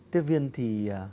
tiếp viên thì